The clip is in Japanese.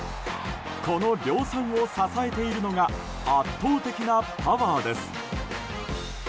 この量産を支えているのが圧倒的なパワーです。